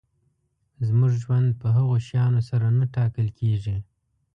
زموږ ژوند په هغو شیانو سره نه ټاکل کېږي.